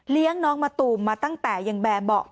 เลี้ยงน้องมะตูมมาตั้งแต่อย่างแบบเบาะ